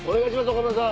岡村さん。